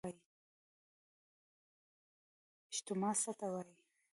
اجماع څه ته وایي؟